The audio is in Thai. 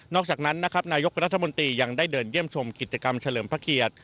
นอกจากนั้นนายกรัฐมนตรียังได้เดินเยี่ยมชมกิจกรรมเฉลิมประเกต